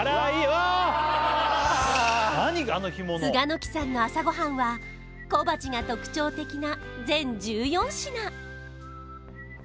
栂の季さんの朝ごはんは小鉢が特徴的な全１４品